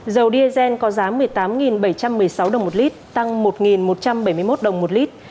dầu diesel có giá một mươi tám bảy trăm một mươi sáu đồng một lít tăng một một trăm bảy mươi một đồng một lít